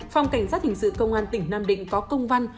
phòng cảnh sát hình sự công an tỉnh nam định có công văn